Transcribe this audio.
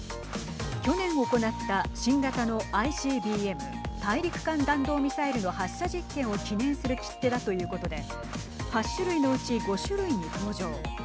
去年行った新型のＩＣＢＭ＝大陸間弾道ミサイルの発射実験を記念する切手だということで８種類のうち５種類に登場。